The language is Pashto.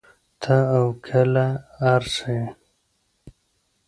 تۀ او کله ار سې